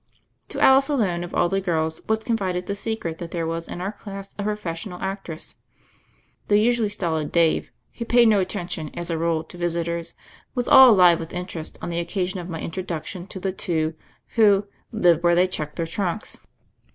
To Alice alone of all the girls was confided the secret that there was in our class a professional actress. The usually stolid Dave, who paid no atten tion, as a rule, to visitors, was all alive with interest on the occasion of my introduction to the two who "lived where they checked their trunks."